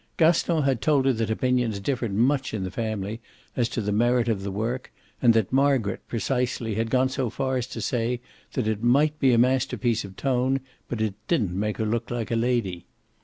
Gaston had told her that opinions differed much in the family as to the merit of the work, and that Margaret, precisely, had gone so far as to say that it might be a masterpiece of tone but didn't make her look like a lady.